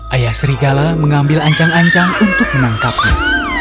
ayah serigala mengambil ancang ancang untuk menangkapnya